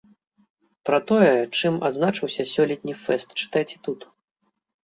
Пра тое, чым адзначыўся сёлетні фэст, чытайце тут!